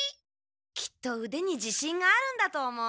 きっと腕にじしんがあるんだと思う。